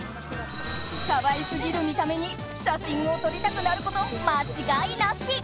可愛すぎる見た目に写真を撮りたくなること間違いなし。